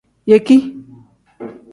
Yeki.